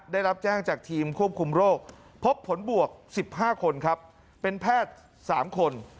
ได้รับแจ้งจากทีมควบคุมโรคพบผลบวก๑๕คนครับเป็นแพทย์๓คน